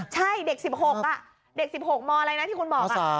ใช่เด็กสิบหกอ่ะเด็กสิบหกมอะไรน่ะที่คุณบอกอ่ะ